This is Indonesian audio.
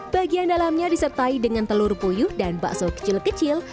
bagian dalamnya disertai dengan telur puyuh dan bakso kecil kecil